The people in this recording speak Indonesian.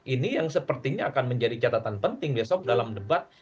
ini yang sepertinya akan menjadi catatan penting besok dalam debat